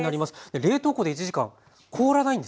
冷凍庫で１時間凍らないんですか？